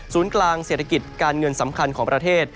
กลางเศรษฐกิจการเงินสำคัญของประเทศ